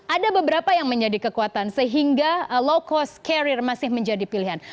ada beberapa yang menjadi kekuatan sehingga low cost carrier masih menjadi pilihan